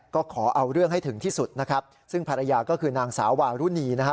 ก็ขอเอาเรื่องให้ถึงที่สุดนะครับซึ่งภรรยาก็คือนางสาววารุณีนะฮะ